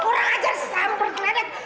kurang ajar seseorang berkeledek